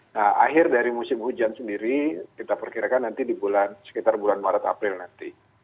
nah akhir dari musim hujan sendiri kita perkirakan nanti di bulan sekitar bulan maret april nanti